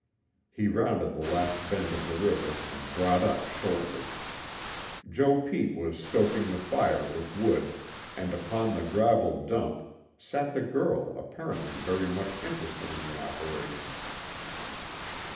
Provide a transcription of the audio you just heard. He rounded the last bend of the river and brought up shortly. Joe Pete was stoking the fire with wood, and upon the gravel dump, sat the girl apparently very much interested in the operation.